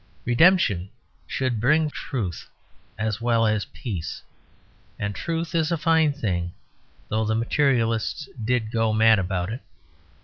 Redemption should bring truth as well as peace; and truth is a fine thing, though the materialists did go mad about it.